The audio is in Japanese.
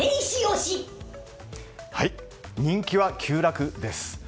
人気は急落です。